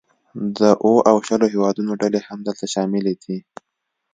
د اوو او شلو هیوادونو ډلې هم دلته شاملې دي